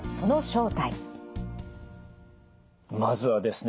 まずはですね